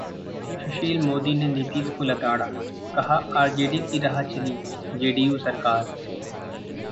सुशील मोदी ने नीतीश को लताड़ा, कहा- आरजेडी की राह चली जेडीयू सरकार